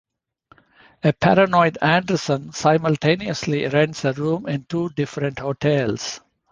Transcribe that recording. A paranoid Anderson simultaneously rents a room in two different hotels.